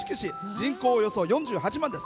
人口およそ４８万です。